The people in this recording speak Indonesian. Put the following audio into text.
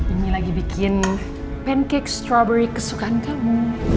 ini lagi bikin pancake strovery kesukaan kamu